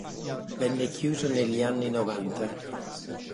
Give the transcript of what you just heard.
Venne chiuso negli anni novanta.